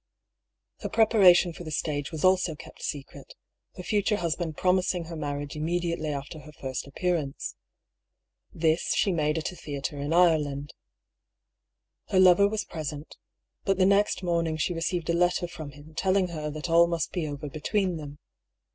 Her prepara tion for the stage was also kept secret, her future hus band promising her marriage immediately after her first appearance. This she made at a theatre in Ireland. Her lover was present — but the next morning she re ceived a letter from him telling her that all must be over between them.